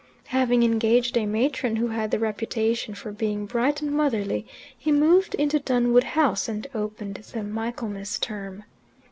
Having engaged a matron who had the reputation for being bright and motherly, he moved into Dunwood House and opened the Michaelmas term.